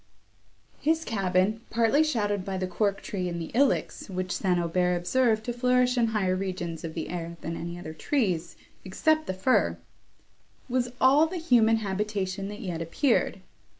His cabin, partly shadowed by the cork tree and the ilex, which St. Aubert observed to flourish in higher regions of the air than any other trees, except the fir, was all the human habitation that yet appeared.